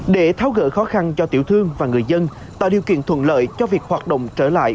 để tháo gỡ khó khăn cho tiểu thương và người dân tạo điều kiện thuận lợi cho việc hoạt động trở lại